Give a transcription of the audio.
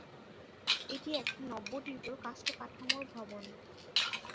এটি একটি নব্য-টিউডর কাষ্ঠ-কাঠামোর ভবন।